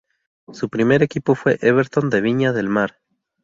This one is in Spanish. Su primer equipo fue Everton de Viña del Mar.